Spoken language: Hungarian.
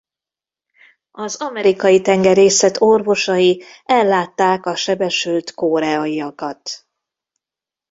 Az amerikai tengerészet orvosai ellátták a sebesült koreaiakat.